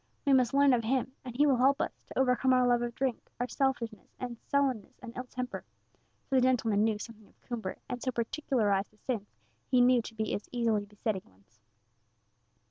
We must learn of Him, and He will help us to overcome our love of drink, our selfishness, and sullenness, and ill temper;" for the gentleman knew something of Coomber, and so particularised the sins he knew to be his easily besetting ones.